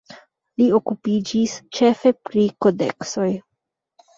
Li okupiĝis ĉefe pri kodeksoj.